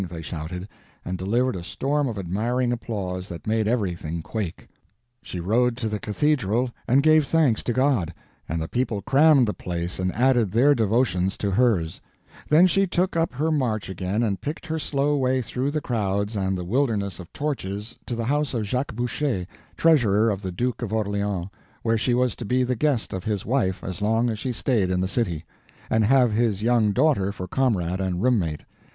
they shouted, and delivered a storm of admiring applause that made everything quake. She rode to the cathedral and gave thanks to God, and the people crammed the place and added their devotions to hers; then she took up her march again and picked her slow way through the crowds and the wilderness of torches to the house of Jacques Boucher, treasurer of the Duke of Orleans, where she was to be the guest of his wife as long as she stayed in the city, and have his young daughter for comrade and room mate.